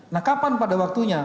nah kapan pada waktunya